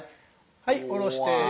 はい下ろして。